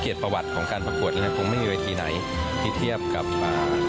เกียรติประวัติของการประกวดนั้นคงไม่มีวัยทีไหนที่เทียบกับอ่า